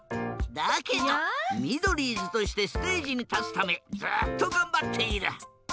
だけどミドリーズとしてステージにたつためずっとがんばっている。